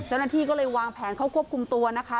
เจ้าหน้าที่ก็เลยวางแผนเข้าควบคุมตัวนะคะ